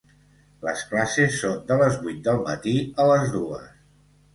Les classes són de les vuit del matí a les dues.